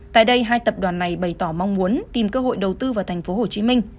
tại đây hai tập đoàn này bày tỏ mong muốn tìm cơ hội đầu tư vào tp hcm